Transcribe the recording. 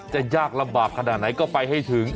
จะยากลำบากขนาดไหนก็ไปให้ถึง